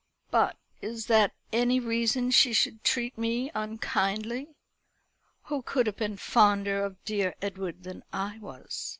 "But is that any reason she should treat me unkindly? Who could have been fonder of dear Edward than I was?